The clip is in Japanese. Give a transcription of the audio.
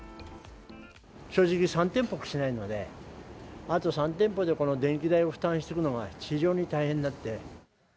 正直３店舗しかないので、あと３店舗でこの電気代を負担していくのは非常に大変なんで。